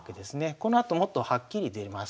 このあともっとはっきり出ます。